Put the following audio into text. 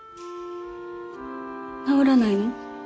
治らないの？